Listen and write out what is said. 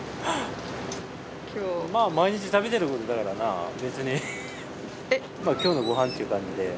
まぁ毎日食べてることだからな別に今日のご飯っていう感じで。